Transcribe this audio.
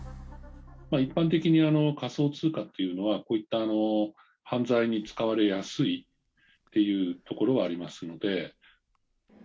一般的に、仮想通貨っていうのは、こういった犯罪に使われやすいっていうところがありますので。